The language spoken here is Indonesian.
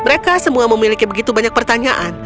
mereka semua memiliki begitu banyak pertanyaan